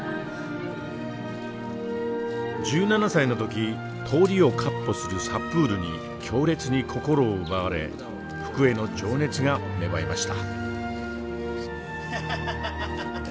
１７歳の時通りを闊歩するサプールに強烈に心を奪われ服への情熱が芽生えました。